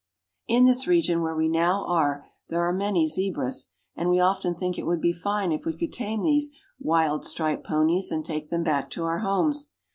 In this region where we now are there are many zebras, and we often think it would be fine if we could tame these wild striped ponies and take them back to our homes.